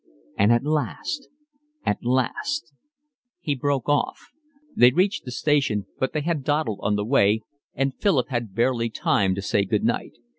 And at last, at last…" He broke off. They reached the station, but they had dawdled on the way, and Philip had barely time to say good night.